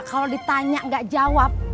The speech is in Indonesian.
kalo ditanya gak jawab